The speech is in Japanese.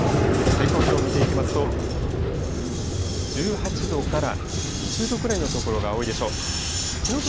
最高気温を見ていきますと、１８度から２０度くらいの所が多いでしょう。